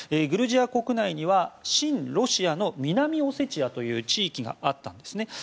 グルジア国内には親ロシアの南オセチアという地域があったんですね。